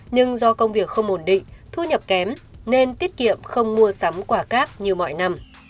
nhưng do công việc không ổn định thu nhập kém nên tiết kiệm không mua sắm quả cáp như mọi năm